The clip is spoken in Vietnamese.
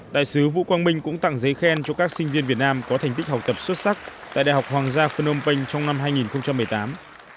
đại sứ vũ quang minh cũng tặng giấy khen cho các sinh viên việt nam có thành tích học tập xuất sắc tại đại học hoàng gia phnom penh trong năm hai nghìn một mươi tám